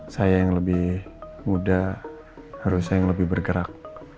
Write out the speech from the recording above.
saya yang lebih muda harusnya yang lebih bergerak